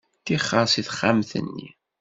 Ṭixer seg texxamt-nni.